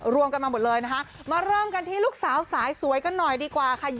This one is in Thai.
รวมกันมาหมดเลยนะคะมาเริ่มกันที่ลูกสาวสายสวยกันหน่อยดีกว่าค่ะ